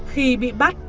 khi bị bắt